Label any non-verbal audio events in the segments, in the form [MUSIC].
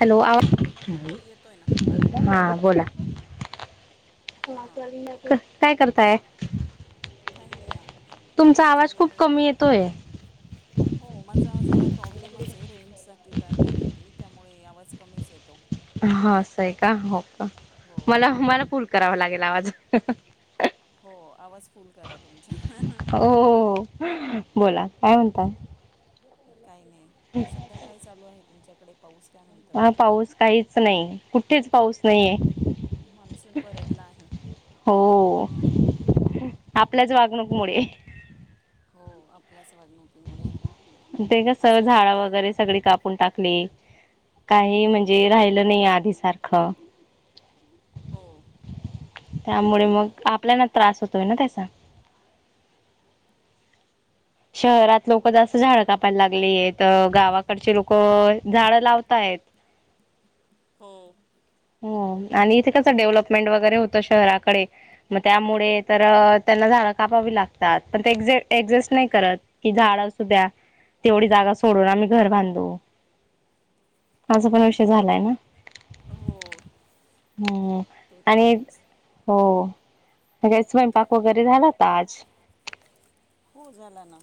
Hello [UNINTELLIGIBLE] हो येतोय ना हा, बोला. हां [UNINTELLIGIBLE] काय करताय? काही नाही आता तुमचा दुपारच्या आवाज खूप वेळेत. कमी येतोय. हो माझा जरा प्रॉब्लेमच आहे रेंजचा की काय काय माहिती त्या होय आवाज कमीच हे. हं असं आहे का? हो, का? हो मला हो मला फुल करावा लागेल आवाज. हो आवाज फुल करा तुमचा. हो बोला काय म्हणताय? काय नाही, सध्या काय चालू आहे तुमच्याकडे? [UNINTELLIGIBLE] हा पाऊस काहीच नाही. कुठेच पाऊस नाही. मान्सून परतला आहे. हो. हम्म. आपल्याच वागणूक मुळे हो आपलाच ते कसं असं झाड म्हणता वगैरे येईल सगळी कापून टाकली. काही हो म्हणजे राहिलं नाही आधी सारखं. हो. त्यामुळे मग आपल्याना त्रास होतोय ना त्याचा. शहरात लोक जास्त झाडं कापायला लागलीय तर गावाकडचे लोक झाडं लावताय [UNINTELLIGIBLE] हो. हो आणि त्यामुळे इथे कसं डेव्हलपमेंट वगैरे होतं शहराकडे मग त्यामुळे तर त्यांना कापावी लागतात ते ऍडजेस्ट नाही करत की झाड असू द्या तेवढी जागा सोडून आम्ही घर बांधू. असा पण विषय झालाय ना. हो हम्म ते तर आणित आहेच हो. सगळा स्वयंपाक वगैरे झाला का आज. खुश झाला ना.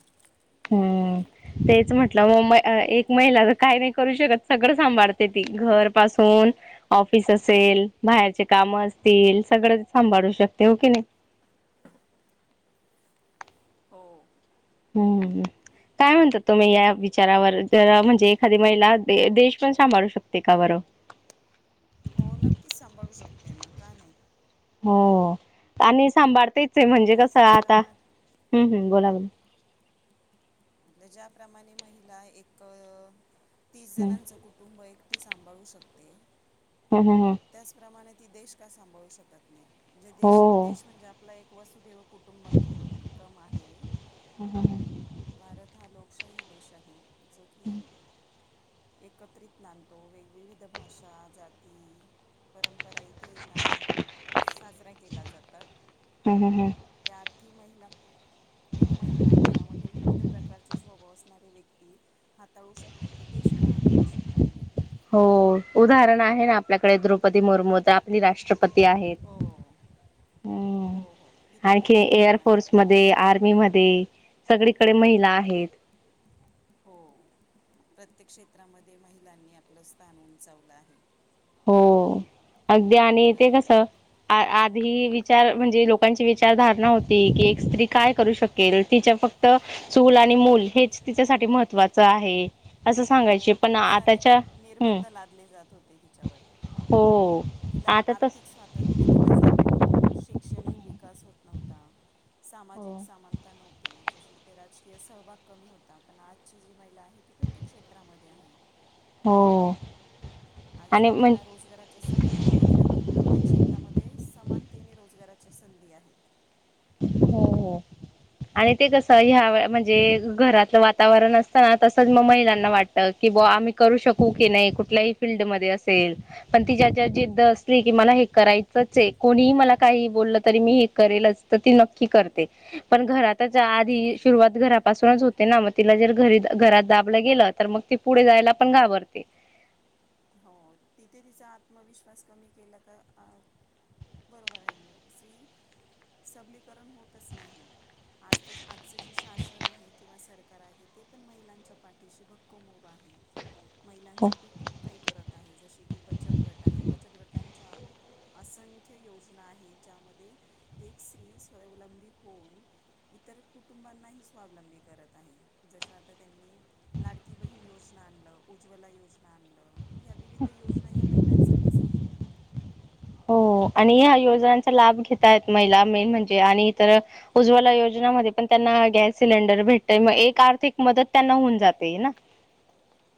हम्म तेच म्हटलं एक महिला तर काय नाही करू शकत सगळं सांभाळते ती घर [UNINTELLIGIBLE] [UNINTELLIGIBLE] ऑफिस असेल, बाहेरचे काम असतील सगळं सांभाळू शकते हो की नाही? [INAUDIBLE] हो हम्म. काय म्हणतात तुम्ही या विचारावर, जरा म्हणजे एखादी महिला देश पण सांभाळू शकते का बरं? [INAUDIBLE] हो नक्कीच सांभाळू शकते ना, का नाही? हो, आणि सांभाळतेच आहे म्हणजे कसं महिलांच्या आता प्रमाण हम्मह बोला. ज्याप्रमाणे महिला एक तीस हम् जणांचं कुटुंब ती सांभाळू शकते हम् हम् हम् त्याचप्रमाणे ती देश का सांभाळू शकत नाही म्हणजे हो देश-देश म्हणजे आपला एक वसुदैव कुटुंबकम‌ आहे हम् हम् ह भारत हा लोकशाही देश आहे जो हम्म की एकत्रित नांदतो वेग-वेविध भाषा जाती परंपरा इत साजरा केला जातो हम्म हम् हम्म ती महिला एक महिला घरामध्ये विविध प्रकारचे स्वभाव असणारे व्यक्ती हाताळू शकते तर देश का हाताळू शकणार नाही हो उदाहरण आहे ना आपल्याकडे द्रौपदी मुर्मू तर आपली राष्ट्रप पती हो आहेत हमम् हो हो किती आणखी मोठं एअर उदाहरण आहे फोर्स मध्ये आपल्याकडे आर्मी मध्ये सगळी कडे महिला आहेत हो प्रत्येक क्षेत्रामध्ये महिलांनी आपलं स्थान उंचावलं आहे हो अगदी आणि ते बरोबर कस ना? अ-अं धी विचार म्हणजे लोकांची विचारधारणा होती की एक स्त्री काय करू शकेल तिच्या फक्त चूल आणि मूल हेच तिच्यासाठी महत्त्वाचं आहे असं हो सांगायचे पण खूप सारे आताच्या हम्म निर्बंध लादले जात होते तिच्यावर हो तिला आता तस आर्थिक स्वातंत्र्य दिलं जात नव्हत शिक्षणिक णिक विकास होत नव्हता हो सामाजिक समानता नव्हती जशी अ राजकीय सहभाग कमी होता पण आजची जी महिला आहे ती प्रत्येक क्षेत्रामध्ये आहे हो आज जर आणि म्हण त्यांना रोजगाराच्या संधी बघितल्या तर प्र्य प्रत्येक क्षेत्रामध्ये समानतेने रोजगाराच्या संधी आहेत हो हो आणि ते कस ह्या म्हणजे घरातलं वातावरण असताना तसच मग महिलांना वाटत की. की बुआ आम्ही करू शकू की नाही कुठल्याही फील्ड मध्ये असेल पण तिच्यात जर जिद्द असेल करायचंच अय कोणीही मला काही बोललं तरी मी हे करेलच. तर ती नक्की करते पण घरातच हो आधी नक्की करते सुरुवात घरापासूनच होते ना म तिला जर घरी-घरात दाबलं गेलं तर मग ती पुढे जायला पण घाबरते. हो तिथे तिचा आत्मविश्वास कमी केला का अ.. बरोबर आहे म्हणलं स्त्री सबलीकरण होतच नाही ना आज ते आजचं जे शासन आहे किंवा सरकार आहे ते पण महिलांच्या पाठीशी भक्कम उभं आहे. महिलांसाठी खूप काही करत आहे जसे बचत गट आहे. बचत गटांच्या असंख्य योजना आहे. ज्यामध्ये एक स्री स्वावलंबी होऊन इतर कुटुंबांनाही स्वावलंबी करत आहे. जश आता त्यांनी लाडकी बहीण योजना नवं उज्जवला योजना आणलं या विविध योजना या महिलांसाठीच आहेत ना, हो आणि या योजनाचा लाभ घेत आहेत महिला मेन म्हणजे आणि इतर उज्वला योजनामध्ये त्यांना गॅस सिलेंडर भेटतय मग एक आर्थिक मदत त्यांना होऊन जाते ना.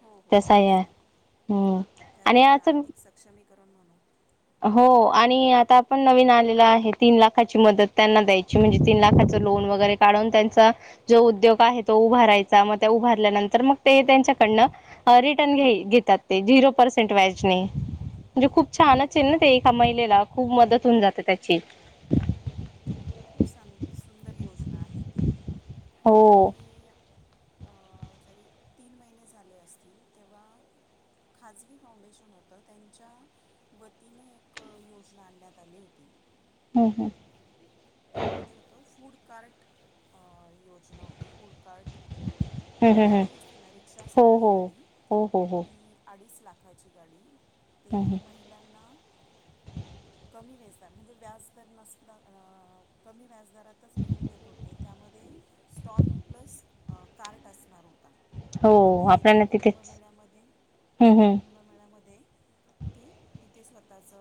हो हो तस आहे तेच ना हम्म त्यात आणि आपण याच आर्थिक सक्षमी हो आणि आता आपण नवीन आलेलं आहे तीन लाखाची मदत त्यांना द्यायची म्हणजे तीन लाखा लोन वगैरे काढून त्यांचा जो उद्योग आहे तो उभारायचा मग त्या उभारल्यानंतर मग ते त्यांच्या कडनं अं रिटर्न घेइ-घेतात ते झीरो पर्सेंट व्याजनी म्हणजे खूप छान हो च ते तेव्हा एका महिलेला खूप मदत होऊन जाते त्या हो हो खूप स सुंदर योजना, ना नाहीती कथम हो हे [UNINTELLIGIBLE] [INAUDIBLE] जरी तीन महिने झाले असतील तेव्हा खाजगी फाउंडेशन होतं त्यांच्या वतीने एक योजना आणण्यात आली होती. हम्म हम् त्यामध्ये होत फूड कार्ट अ योजना होती फूड कार्ट हं, हं, हं. गाडी असते ना रिक्षा हो, सारखी हो. गाडी हो, हो, हो. ती अडीच लाख लाखाची गाडी ते हं, हं. महिलांना कमी व्याजदार म्हणजे व्याजदर नसता कमी व्याजदरातच घेऊन देत होते. त्यामध्ये स्टॉल प्लस कार्ट असणार. हो, आता येत्या आपल्याला तिथेच कुंभमेळ्यामध्ये हं, येता हं. कुंभमेळ्यामध्ये, त तिथे स्वतःच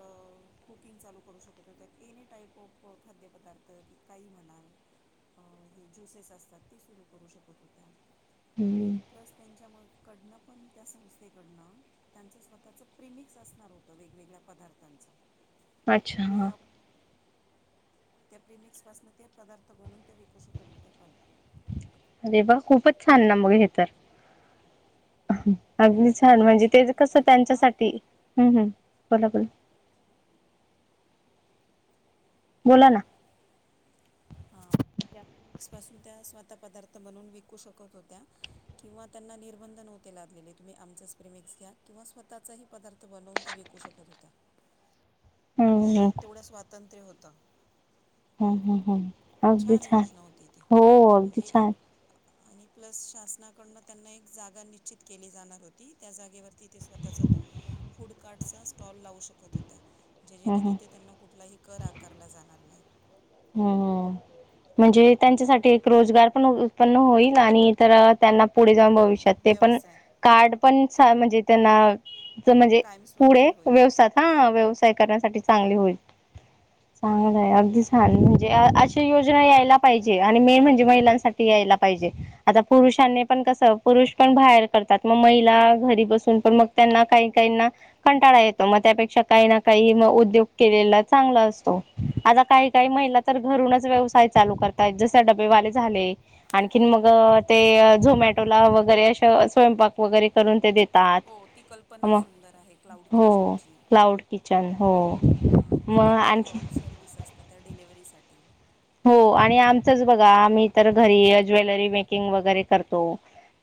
कुकिंग चालू करू शकतो त्या एनी टाईप ऑफ खाद्यपदार्थ काही म्हणा हे ज्युसेस असतात ते सुरू करू शकत होत्या, आणि हं. प्लस त्यांच्या म कडनं पण त्या संस्थेकडनं त्यांचं स्वतःच प्रिमिक्स असणार होतं वेगवेगळ्या पदार्थांचं त्या अच्छा हा प्रिय त्या प्रीमिक्स पासुन ते पदार्थ बनून त्या अरे वा खूपच छान ना मग हे तर, अगदी ते छान विकू म्हणजे तेच शकत कसं होत्या किंवा त्यांच्यासाठी, हम् हम् बला बल [UNINTELLIGIBLE] बोला ना, [INAUDIBLE] त्या स्वतः पदार्थ बनून विकू शकत होत्या किंवा त्यांना निर्बंध तुम्ही आमचच प्रीमिक्स घ्या किंवा स्वतःचा पदार्थ बनून विकू शकत होत्या. ह ते तेवढा स्वातंत्र्य होत. हम्, हम्, हम अगदी छान, होती ती हो अगदी म्हणजे छान. आणि प्लस शासनाकडनं त्यांना एक जागा निश्चित केली जाणार होती. त्या जागेवरती ते स्वतःचा तो फूड कार्टचा स्टॉल लावू शकत होत्या. जे, जे, हं, की हं. तिथे त्यांना कुठलाही कर आकारला जाणार नाही. हम्, म्हणजे त्यांच्यासाठी एक रोजगार पण उ पण होईल आणि तर त्यांना पुढे जाऊन हो भविष्यात ते पण, व्यवसाय कार्ड पण म्हणजे त्यांना, म्हणजे पुढे कायमस्वरूपी होईल व्यवसाय हा व्यव व्यवसाय करायसाठी चांगली होईल. चांगल अगदी चांगल म्हणजे, अशी योजना यायला पाहिजे. आणि मेन म्हणजे महिलांसाठी यायला पाहिजे. आता पुरुषांनी नाही पण कस, पुरुष पण बाहेर करतात. मग महिला घरी बसून पण मग त्यांना काही काहीना कंटाळा येतो, मग त्यापेक्षा काही ना काही म उद्योग केलेला चांगला असतो. आता काही काही महिला तर घरूनच व्यवसाय चालू करतायत. जस, डबेवाले झाले. आणखीन मग ते झोमॅटोला वगैरे अशा स्वयंपाक वगैरे करून तेे दे हो ती कल्पना सुंदर आहे, क्लाउड हो किचनची. क्लाउड किचन हो हा मग पिकअप अँड आणखी ड्रॉप सर्व्हिस असते, त्या साठी. हो आणि आमचच बघा. आम्ही तर घरी ज्वेलरी मेकिंग वगैरे करतो,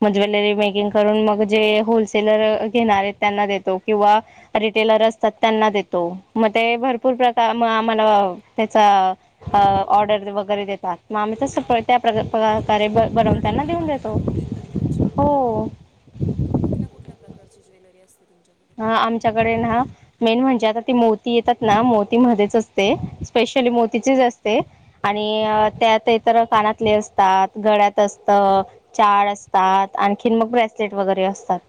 मग ज्वेलरी मेकिंग करून मग जे, होलसेलर घेणार आहेत त्यांना देतो. किंवा रिटेल लर त्यांना देतो. मग ते भरपूर प्रका मग आम्हाला त्याचा अ ऑर्डर वगैरे देतात. मग आम्ही तसं प त्या प्रग प्र ऑर्डर प्रमाणे बनवून देतात. अच्छा, हो, हो, हो. कुठल्या, कुठल्या प्रकारची ज्वेलरी असते? तुमच्याकडे हा आमच्याकडे ना, मेन म्हणजे आता ते मोती येतात ना, मोती मध्येच असते. स्पेश ली, मोतीतीच असते आणि त्यात इतर कानातले असतात, गळ्यात असत, चाळ असतात. आणखीन मग, ब्रेसलेट वगैरे असतात.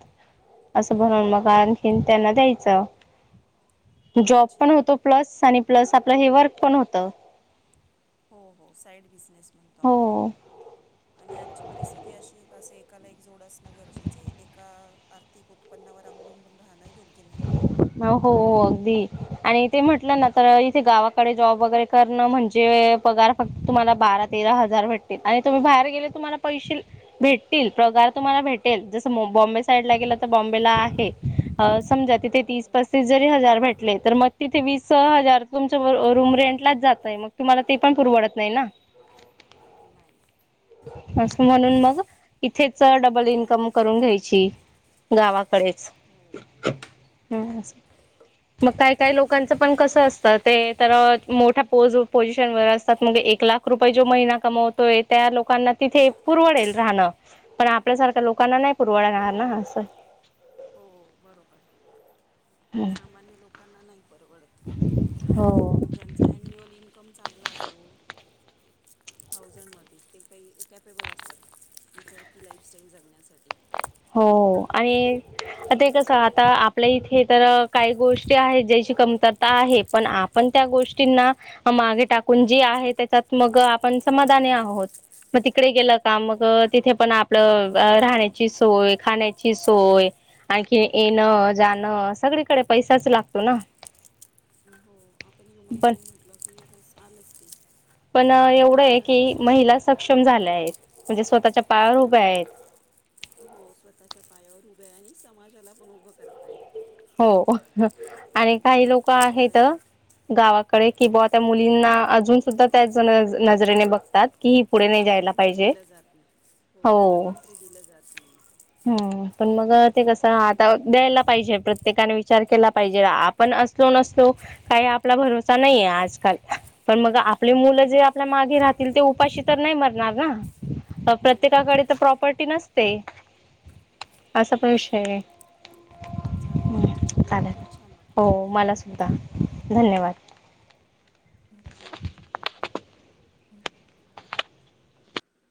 असं हो बनवून हो मग हो आणखीन त्यांना द्यायचं. जॉब अच्छा पण होतो प्लस, आणि प्लस आपलं हे वर्क पण होत. हो हो साइड बिसनेस म्हणतो आपण हो आणि आजची परिस्थिती अशी एक असे एकाला एक जोड असणं गरजेचंय. एका आर्थिक उत्पन्नावर अवलंबून राहणं योग्य नाही. [UNINTELLIGIBLE] अ हो आणि ते म्हटलं ना, तर इथे गावाकडे जॉब वगैरे करणं म्हणजे पगार फक्त तुम्हा ला बारा तेरा हजार भेटतील. आणि तुम्ही बाहेर गेले तुम्हाला पैसे भेटतील प्रगार तुम्हाला भेटेल जस मुंब बॉम्बे साईड ला गेलं, तर बॉम्बेला आहे अ समजा तेथे तीस- पस्तीस हजार जरी भेटले, तर मग तिथे वीस हजार तुमचं रुम रेंटलाच जा तय, मग तुम्हाला ते पण पुरवडत नाही ना नाही. अस म्हणून मग इथेच, डबल इन्कम करून घ्यायची. गावाकडेच, हो हम् मग काय काही लोकांच पण कस असत, ते तर मोठ्या पोज पोझिशनवर असतात, एक लाख रुपये जो महिना कमवतोय, त्या लोकांना तिथे पुरवडेल राहणं. पण आपल्यासारख्या लोकांना नाही पुरवळणार ना असं हो बरोबर सामान्य लोकांना नाही परवडत. हो ज्यांचा अन्युअल इन्कम चांगला असतो [UNINTELLIGIBLE] थाउजंडमध्ये, ते काही कॅपेबल असतात. इतर ही लाईफस्टाईल जगण्यासाठी. हो बरोबर आणि आहे की नाही [UNINTELLIGIBLE] आ ते कस, आता आपल्या इथे तर, काही गोष्टी आहेत ज्याची कमतरता आहे पण आपण त्या गोष्टींना मागे टाकून, जी आहे त्याच्यात मग आपण समाधानी आहोत. मग तिकडे गेलं का मग, हो तिथे पण आपलं राहण्याची सो होय खाण्याची सोय आणखी येण जाणं सगळीकडे पैसाच लागतो ना ह [UNINTELLIGIBLE] हो आपण ह्युमन बिंग म्हटलं की आलंच की पण एवढं आहे की महिला सक्षम झाल्या आहेत म्हणजे स्वतःच्या पायावर हुभ्या आहेत हो स्वतःच्या पायावर हुभ्या आहे आणि समाजाला पण हुभ करताय हो आणि हो, काही हो, लोक आहेत एकोप्याने गावात कळे कि बावा त्या मुलींना अजून सुद्धा त्याच जण नजरेने बघतात कि ही पुढे ते नाही जायला स्वातंत्र्य पाहिजे दिलं जात नाही हो स्वातंत्र्य दिलं जात नाही हम् पण मग ते कसं आता द्यायला पाहिजे् प्र प्रत्येकाने विचार केला पाहिजे आपण असलो नसलो काही आपला भरोसा नाहीे आजकाल पण मग आपले मुलं हो जे आपल्या मागे राहतील ते उपाशी तर नाही मरणार ना अ [UNINTELLIGIBLE] नाही प्रत्येकाकडे नाही तर प्रॉपर्टी नसते असा हो पण विषय चालेल तुमच्याशी बोलून चालेल खूप छान वाटलं हो मला सुद्धा धन्यवाद धन्यवाद